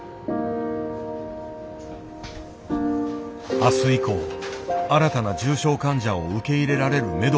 明日以降新たな重症患者を受け入れられるめどをつけた。